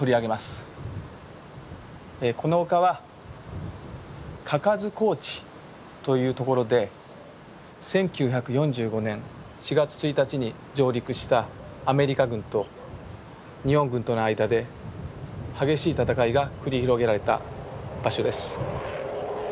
この丘は嘉数高地という所で１９４５年４月１日に上陸したアメリカ軍と日本軍との間で激しい戦いが繰り広げられた場所です。